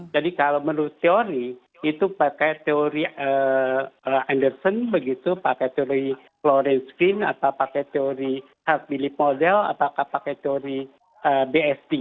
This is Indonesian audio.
jadi kalau menurut teori itu pakai teori anderson begitu pakai teori florens green atau pakai teori hart bilip model atau pakai teori bsd